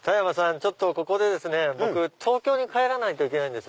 ちょっとここで僕東京に帰らないといけないんです。